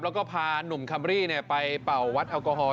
แล้วก็พาหนุ่มคัมรี่ไปเป่าวัดแอลกอฮอล